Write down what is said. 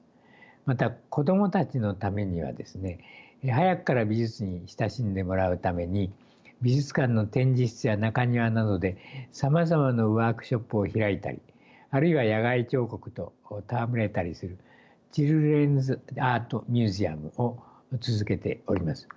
また子供たちのためにはですね早くから美術に親しんでもらうために美術館の展示室や中庭などでさまざまなワークショップを開いたりあるいは野外彫刻と戯れたりするチルドレンズ・アート・ミュージアムを続けております。